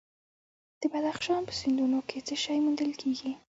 د بدخشان په سیندونو کې څه شی موندل کیږي؟